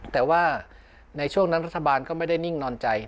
แต่ว่าในช่วงนั้นรัฐบาลก็ไม่ได้นิ่งนอนใจ